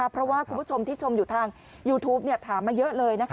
เพราะว่าคุณผู้ชมที่ชมอยู่ทางยูทูปถามมาเยอะเลย